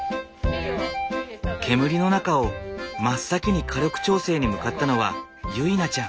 煙の中を真っ先に火力調整に向かったのは結菜ちゃん。